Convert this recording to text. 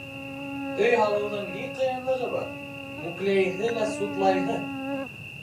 Өй һалыуҙың ни ҡыйынлығы бар, мүкләйһе лә сутлайһы.